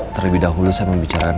terlebih dahulu saya membicarakan